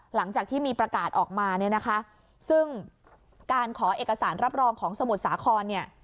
หลังจากที่มีประกาศออกมาเนี่ยนะคะซึ่งการขอเอกสารรับรองของสมุทรสาครเนี่ย